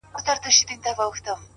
که ستا د غم حرارت ماته رسېدلی نه وای _